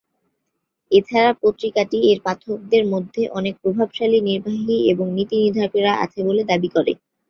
এছাড়া পত্রিকাটি এর পাঠকদের মধ্যে অনেক প্রভাবশালী নির্বাহী এবং নীতি-নির্ধারকেরা আছে বলে দাবি করে।